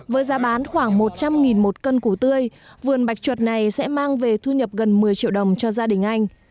với giá bán khoảng một trăm linh một cân củ tươi vườn bạch chuột này sẽ mang về thu nhập gần một mươi triệu đồng cho gia đình anh